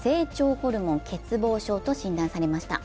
ホルモン欠乏症と診断されました。